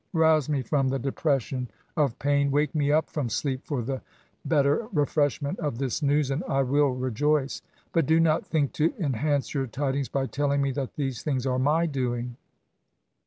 Bouse me from the depresaon Z4 ESSAYS. of pain^ wake me up from sleep for the better refreshment of this news^ and I will rejoice ; but' do not think to enhance* your tidings by telling me that these things are my doing.